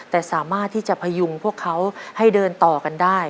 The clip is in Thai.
แต่สามารถที่จะพยุงพวกเขาให้เดินต่อกันได้